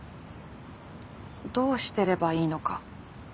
どうしてればいいのか。